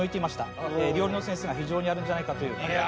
料理のセンスが非常にあるんじゃないかという。